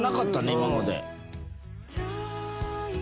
今まで。